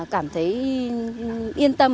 cảm thấy yên tâm